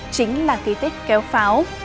chính là ký tích kéo pháo